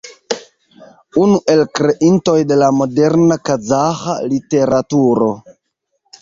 Unu el kreintoj de la moderna kazaĥa literaturo.